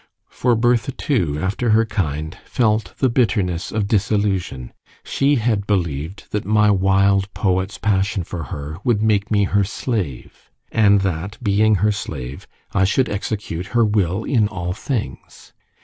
For Bertha too, after her kind, felt the bitterness of disillusion. She had believed that my wild poet's passion for her would make me her slave; and that, being her slave, I should execute her will in all things.